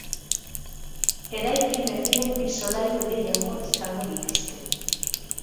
Eraikin berriek bi solairu gehiago izango dituzte.